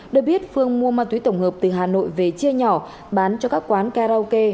được biết phương mua ma túy tổng hợp từ hà nội về chia nhỏ bán cho các quán karaoke